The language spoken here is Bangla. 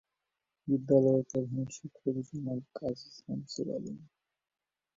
বিদ্যালয়ের প্রধান শিক্ষক জনাব গাজী শামসুল আলম।